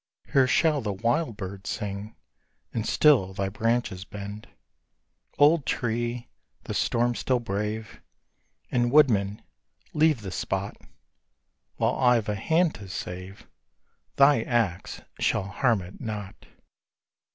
Here shall the wild bird sing, And still thy branches bend. Old tree! the storm still brave! And, woodman, leave the spot; While I've a hand to save, thy axe shall harm it not.